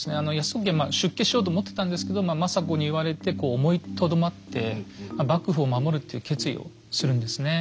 泰時はまあ出家しようと思ってたんですけど政子に言われてこう思いとどまって幕府を守るっていう決意をするんですね。